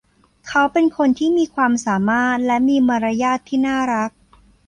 เขาเป็นคนที่มีความสามารถและมีมารยาทที่น่ารัก